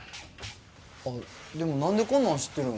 あっでも何でこんなん知ってるん？